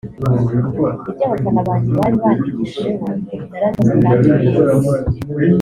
Ibyo abafana banjye bari bantegerejeho narabikoze kandi neza